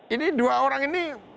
ini dua orang ini